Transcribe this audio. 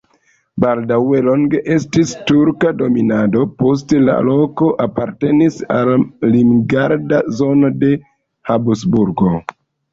Baldaŭe longe estis turka dominado, poste la loko apartenis al limgarda zono de Habsburgoj.